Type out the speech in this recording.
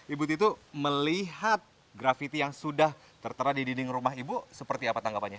ibu titu melihat grafiti yang sudah tertera di dinding rumah ibu seperti apa tanggapannya